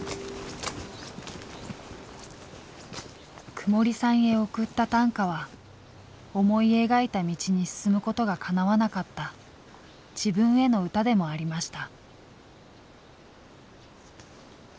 くもりさんへ送った短歌は思い描いた道に進むことがかなわなかった自分への歌でもありました。